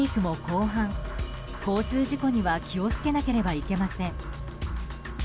交通事故には気を付けなければいけません。